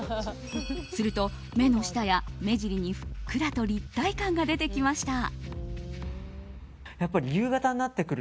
すると、目の下や目尻にふっくらと立体感が出てきました。